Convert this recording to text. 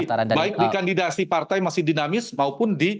kandidasi partai masih dinamis maupun di